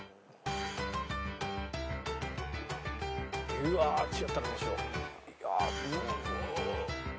うわ違ったらどうしよう。